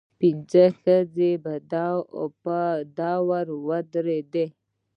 پخه ښځه په وره ودرېده.